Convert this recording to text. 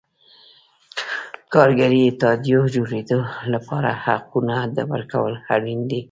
کارګري اتحادیو جوړېدو لپاره حقونو ورکول اړین دي.